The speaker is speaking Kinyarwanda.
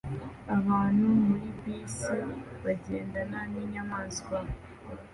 Abantu muri bisi bagendana ninyamaswa